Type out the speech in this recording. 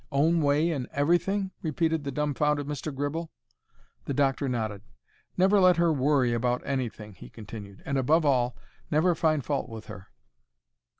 "Own way in everything?" repeated the dumbfounded Mr. Gribble. The doctor nodded. "Never let her worry about anything," he continued; "and, above all, never find fault with her."